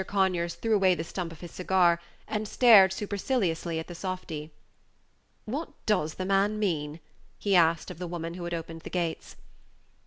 Conyers threw away the stump of his cigar, and stared superciliously at the softy. Page 77 "What does the man mean?" he asked of the woman who had opened the gates.